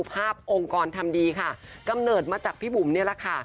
องค์กรทำดีค่ะกำเนิดมาจากพี่บุ๋มนี่แหละค่ะ